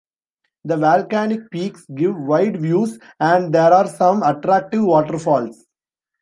The volcanic peaks give wide views and there are some attractive waterfalls.